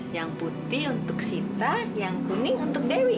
yang putih untuk sinta yang kuning untuk dewi